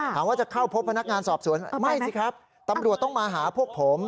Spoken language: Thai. จะเข้าพบพนักงานสอบสวนไม่สิครับตำรวจต้องมาหาพวกผม